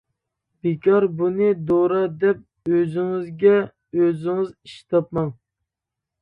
بىكار بۇنى دورا دەپ ئۆزىڭىزگە ئۆزىڭىز ئىش تاپماڭ.